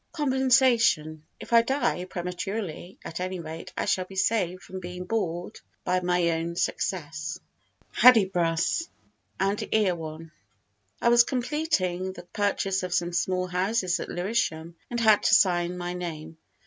Compensation If I die prematurely, at any rate I shall be saved from being bored by my own success. Hudibras and Erewhon I was completing the purchase of some small houses at Lewisham and had to sign my name.